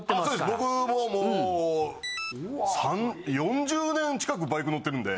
僕ももう４０年近くバイク乗ってるんで。